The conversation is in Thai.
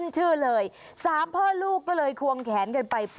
ทึง